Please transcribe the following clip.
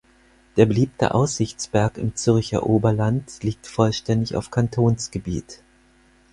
Der beliebte Aussichtsberg im Zürcher Oberland liegt vollständig auf Kantonsgebiet.